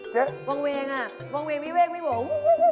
เจ๊วังเวงอ่ะวังเวงไม่เว้งไม่ห่วง